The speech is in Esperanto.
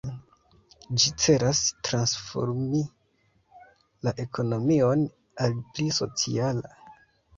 Ĝi celas transformi la ekonomion al pli sociala.